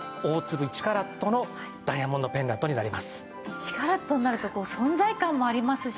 １カラットになるとこう存在感もありますしね。